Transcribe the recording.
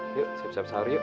yuk siap siap sehari yuk